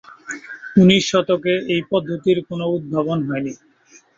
উনিশ শতকে এই পদ্ধতির কোনও উদ্ভাবন হয়নি।